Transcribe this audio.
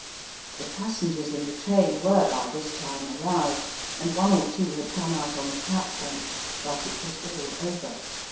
The passengers in the train were by this time aroused, and one or two had come out on the platform. But it was all over.